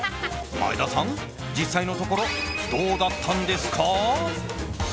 前田さん、実際のところどうだったんですか？